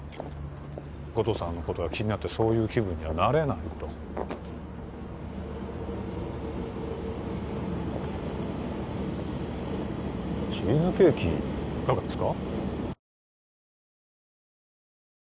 護道さんのことが気になってそういう気分にはなれないとチーズケーキいかがですか？